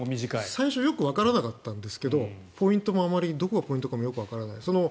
最初よくわからなかったんですけどポイントもあまりどこがポイントかもわからない。